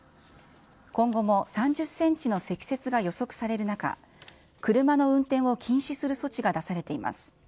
今後も３０センチの積雪が予測される中、車の運転を禁止する措置が出されています。